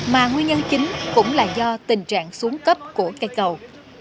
mà nguyên nhân chính cũng là do tình trạng xuống cấp của cây cầu